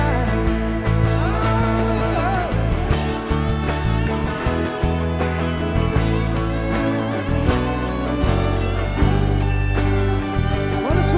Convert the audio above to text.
aku sudah participasi